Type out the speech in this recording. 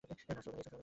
না, সোগান দিয়েছিল।